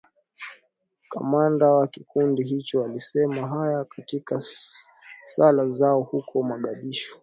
kamanda wa kikundi hicho aliyasema haya katika sala zao huko mogadishu